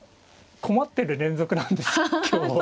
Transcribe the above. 困ってる連続なんです今日。